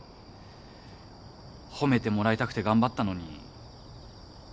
褒めてもらいたくて頑張ったのに全然駄目で。